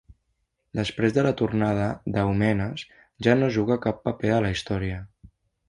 Després de la tornada d'Èumenes ja no juga cap paper a la història.